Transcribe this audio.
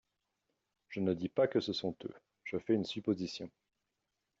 Je ne dis pas que ce sont eux, je fais une supposition.